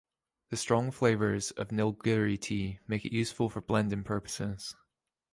The strong flavours of Nilgiri tea make it useful for blending purposes.